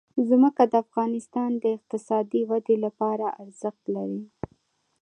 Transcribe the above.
ځمکه د افغانستان د اقتصادي ودې لپاره ارزښت لري.